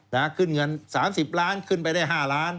ขึ้นเงิน๓๐ล้านขึ้นไปได้๕ล้าน